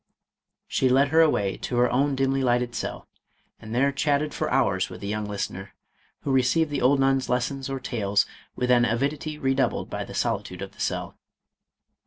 She led her away to her own dimly lighted cell, and there chatted for hours with the young listener, who received the old nun's lessons or tales with an avidity redoubled by the solitude of the cell.